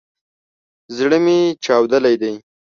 زړه مي چاودلی دی